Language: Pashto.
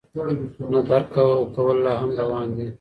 نه درک کول لا هم روان دي.